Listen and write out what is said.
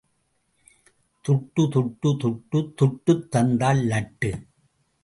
துட்டு, துட்டு, துட்டு துட்டுத் தந்தால் லட்டு!